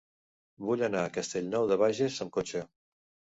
Vull anar a Castellnou de Bages amb cotxe.